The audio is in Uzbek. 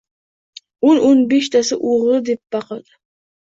O‘n-o‘n beshtasi o‘g‘ri deb baqirdi.